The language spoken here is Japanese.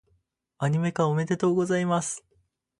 アニメ化、おめでとうございます！